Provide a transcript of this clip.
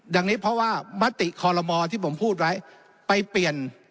ดังนี้เพราะว่ามะติขอรมอที่ผมพูดไว้ไปเปลี่ยน